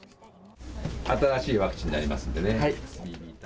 新しいワクチンになりますので。